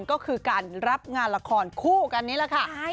ก็คือการรับงานละครคู่กันนี่แหละค่ะ